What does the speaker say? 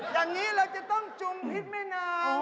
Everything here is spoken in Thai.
อย่างนี้เราจะต้องจุงพิษแม่นาง